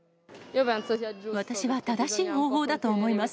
私は正しい方法だと思います。